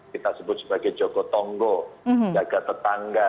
kita sebut sebagai jogotongo jaga tetangga